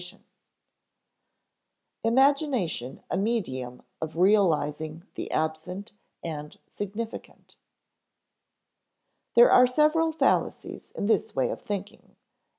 [Sidenote: Imagination a medium of realizing the absent and significant] There are several fallacies in this way of thinking.